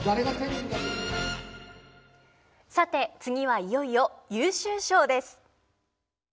さて次はいよいよ優秀賞です。